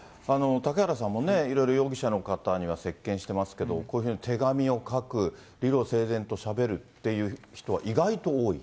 嵩原さんもね、いろいろ容疑者の方には接見してますけど、こういうふうに手紙を書く、理路整然としゃべるという人は意外と多い？